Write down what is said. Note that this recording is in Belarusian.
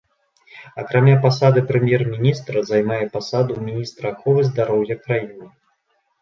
Акрамя пасады прэм'ер-міністра, займае пасаду міністра аховы здароўя краіны.